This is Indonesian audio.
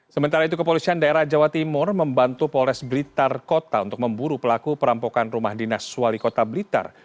sementara itu kepolisian daerah jawa timur membantu polres blitar kota untuk memburu pelaku perampokan rumah dinas wali kota blitar